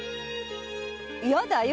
やだよ！